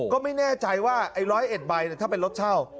ก็ไม่แน่ใจว่าไอ้๑๐๑ใบถ้าเป็นรถเช่า